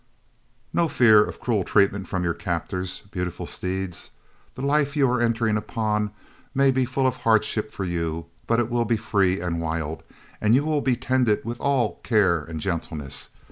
No fear of cruel treatment from your captors, beautiful steeds! The life you are entering upon may be full of hardship for you, but it will be free and wild, and you will be tended with all care and gentleness.